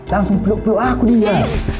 langsung peluk peluk aku dia